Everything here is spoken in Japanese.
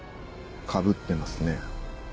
かぶってますね。